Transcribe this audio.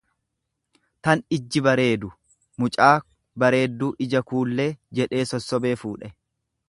tan ijji bareedu; Mucaa bareedduu ija kuullee, jedhee sossobee fuudhe.